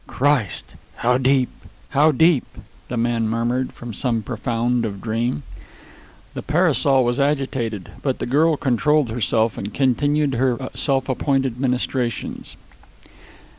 "Christ! How deep! How deep!" the man murmured from some profound of dream. The parasol was agitated; but the little girl controlled herself and continued her self appointed ministrations.